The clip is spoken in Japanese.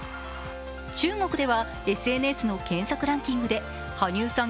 中国では、ＳＮＳの検索ランキングで羽生さん